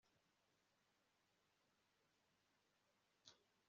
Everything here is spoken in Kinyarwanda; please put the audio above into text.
benshi mubantu bakuru bari koga hamwe nabana babo